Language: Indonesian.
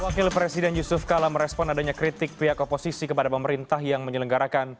wakil presiden yusuf kala merespon adanya kritik pihak oposisi kepada pemerintah yang menyelenggarakan